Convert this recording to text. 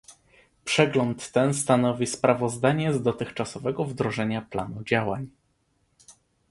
Przegląd ten stanowi sprawozdanie z dotychczasowego wdrożenia planu działań